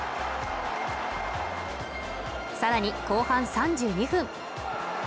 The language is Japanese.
さらに後半３２分